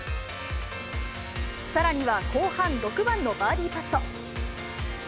さらには後半６番のバーディーパット。